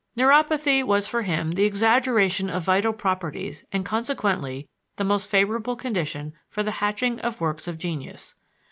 Neuropathy was for him the exaggeration of vital properties and consequently the most favorable condition for the hatching of works of genius.